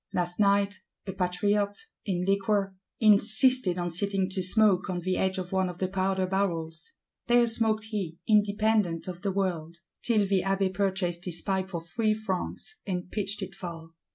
Last night, a Patriot, in liquor, insisted on sitting to smoke on the edge of one of the Powder barrels; there smoked he, independent of the world,—till the Abbé "purchased his pipe for three francs," and pitched it far.